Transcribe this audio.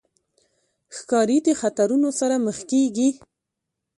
ښکاري د خطرونو سره مخ کېږي.